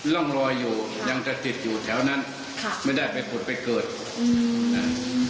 ร่องรอยอยู่ยังจะติดอยู่แถวนั้นค่ะไม่ได้ไปผุดไปเกิดอืมนะ